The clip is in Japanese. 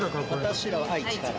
私らは愛知から。